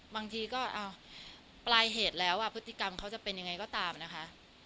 บางทีก็ปลายเหตุแล้วพฤติกรรมเขาจะเป็นยังไงก็ตามนะคะ